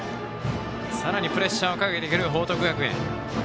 さらにプレッシャーをかけてくる報徳学園。